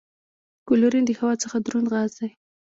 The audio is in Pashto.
کلورین د هوا څخه دروند غاز دی.